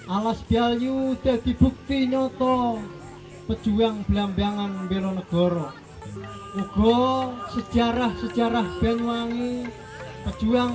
alas beliau tepi bukti noto pejuang belambangan belonegoro ugo sejarah sejarah benwangi pejuang